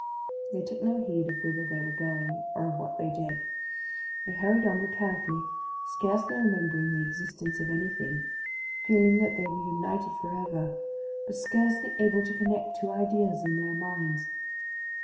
They took no heed of whither they were going, or of what they did. They hurried on mechanically, scarcely remembering the existence of anything, feeling that they were united for ever, but scarcely able to connect two ideas in their minds.